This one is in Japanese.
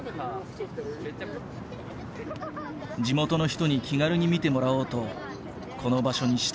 地元の人に気軽に見てもらおうとこの場所にした。